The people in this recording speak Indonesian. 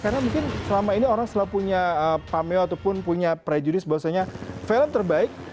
karena mungkin selama ini orang selalu punya pameo ataupun punya prejudis bahwasanya film terbaik